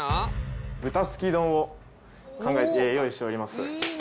豚すき丼を考えて用意しております。